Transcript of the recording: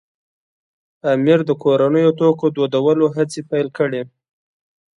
امیر د کورنیو توکو دودولو هڅې پیل کړې.